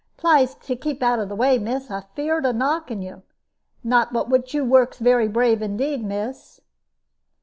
"Plaise keep out of way, miss; I be afeard of knocking you. Not but what you works very brave indeed, miss."